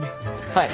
はい。